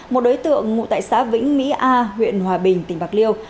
một đối tượng ngụ tại xã vĩnh mỹ a huyện hòa bình tỉnh bạc liêu